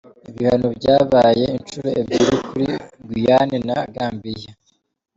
Ibihano byabaye inshuro ebyiri kuri Guyana na Gambia.